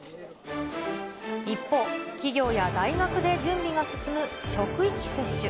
一方、企業や大学で準備が進む職域接種。